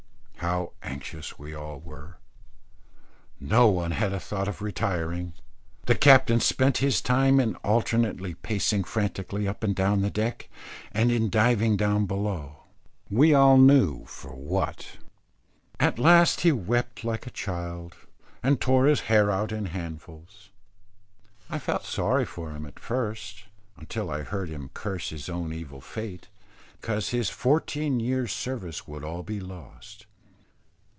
How anxious we all were! No one had a thought of retiring. The captain spent his time in alternately pacing frantically up and down the deck, and in diving down below, we all knew for what. At last he wept like a child, and tore his hair out in handfuls. I felt sorry for him at first, until I heard him curse his own evil fate, because his fourteen years' service would all be lost.